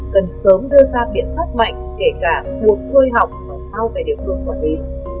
cần sớm đưa ra biện pháp mạnh kể cả buộc thuê học và sao về điều hướng quản lý